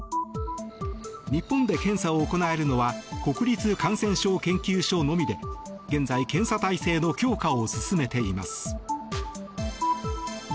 日本で検査を行えるのは国立感染症研究所のみで現在、検査体制の強化を進めています。